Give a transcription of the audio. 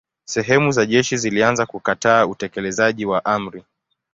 Sehemu za jeshi zilianza kukataa utekelezaji wa amri.